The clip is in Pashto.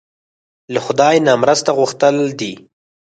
له خدای نه مرسته غوښتل دي.